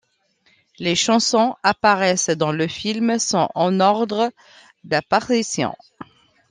Les chansons apparaissant dans le film sont en ordre d'apparition.